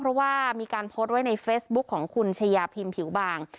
เพราะว่ามีการโพสต์ไว้ในเฟซบุ๊คของคุณชายาพิมผิวบาง